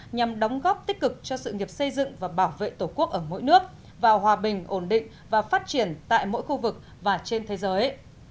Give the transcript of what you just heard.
nhằm đóng góp tích cực cho sự nghiệp xây dựng và bảo vệ tổ quốc ở mỗi nước vào hòa bình ổn định và phát triển tại mỗi khu vực và trên thế giới